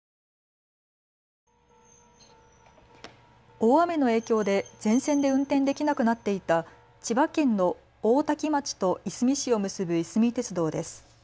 大雨の影響で全線で運転できなくなっていた千葉県の大多喜町といすみ市を結ぶいすみ鉄道です。